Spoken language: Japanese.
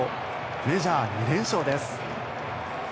メジャー２連勝です。